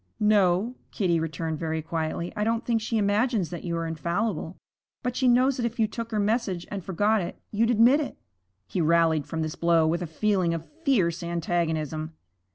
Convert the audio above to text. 'No,' Kitty returned very quietly. 'I don't think she imagines that you are infallible. But she knows that if you took her message and forgot it, you'd admit it.' He rallied from this blow with a feeling of fierce antagonism.